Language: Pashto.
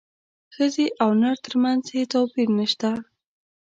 ښځې او نر ترمنځ هیڅ توپیر نشته